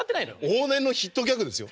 往年のヒットギャグですよ。